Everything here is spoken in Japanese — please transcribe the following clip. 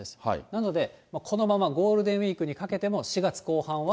なので、ゴールデンウィークにかけての４月後半は。